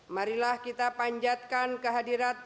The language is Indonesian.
marilah kita panjatkan kehadirat